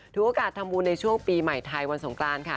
ถือกระอดธรรมูลในช่วงปีใหม่ไทยวันสงกรานค่ะ